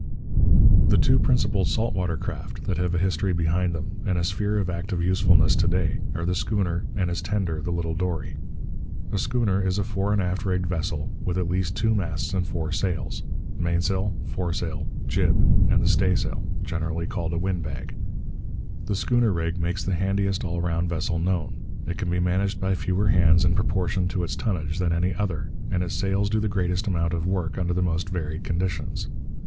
The two principal salt water craft that have a history behind them and a sphere of active usefulness to day are the schooner and its tender, the little dory. A schooner is a fore and aft rigged vessel with at least two masts and four sails mainsail, foresail, jib, and the staysail generally called a wind bag. The schooner rig makes the handiest all round vessel known. It can be managed by fewer hands in proportion to its tonnage than any other, and its sails do the greatest amount of work under the most varied conditions.